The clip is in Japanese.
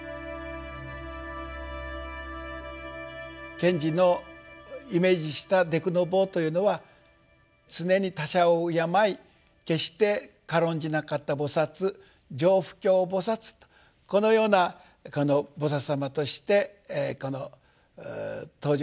賢治のイメージした「デクノボー」というのは常に他者を敬い決して軽んじなかった菩薩常不軽菩薩このような菩薩様として登場されていると。